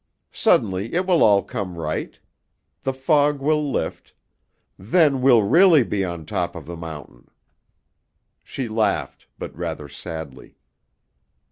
Suddenly it will all come right. The fog will lift. Then we'll really be on top of the mountain." She laughed, but rather sadly.